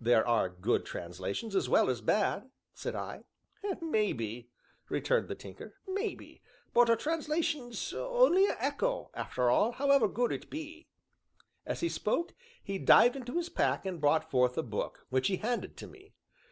"There are good translations as well as bad," said I. "Maybe," returned the Tinker, "maybe, but a translation's only a echo, after all, however good it be." As he spoke, he dived into his pack and brought forth a book, which he handed to me.